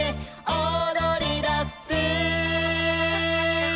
「おどりだす」